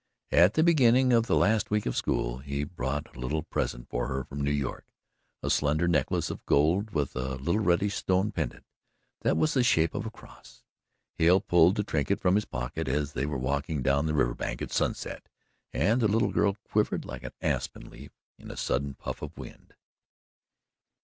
At the beginning of the last week of school he brought a little present for her from New York a slender necklace of gold with a little reddish stone pendant that was the shape of a cross. Hale pulled the trinket from his pocket as they were walking down the river bank at sunset and the little girl quivered like an aspen leaf in a sudden puff of wind.